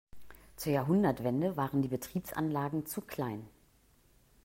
Zur Jahrhundertwende waren die Betriebsanlagen zu klein.